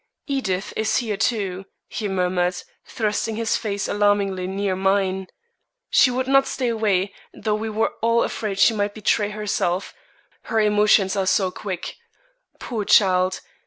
Edith is here too," he murmured, thrusting his face alarmingly near mine. "She would not stay away, though we were all afraid she might betray herself; her emotions are so quick. Poor child!